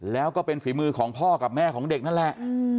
แล้วก็เป็นฝีมือของพ่อกับแม่ของเด็กนั่นแหละ